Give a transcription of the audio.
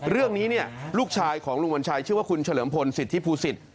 เรื่องนี้เนี่ยลูกชายของลุงวัญชัยชื่อว่าคุณเฉลิมพลสิทธิภูศิษฐ